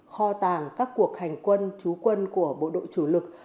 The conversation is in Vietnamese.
kho tàng các cuộc hành quân chú quân của bộ đội chủ lực